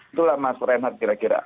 itulah mas reinhardt kira kira